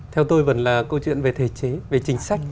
theo tôi vẫn là câu chuyện về thể chế về chính sách